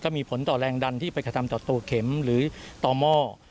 มีผลต่อแรงดันที่ไปกระทำต่อตัวเข็มหรือต่อหม้อ